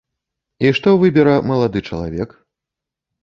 І што выбера малады чалавек?